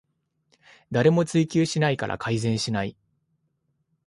誰も追及しないから改善しない